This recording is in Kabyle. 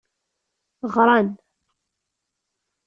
Ɣran.